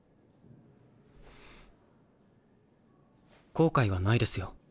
後悔はないですよ。